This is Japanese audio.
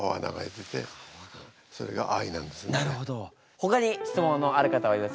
ほかに質問のある方はいますか？